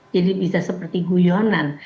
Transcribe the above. jadi bisa seperti guyonan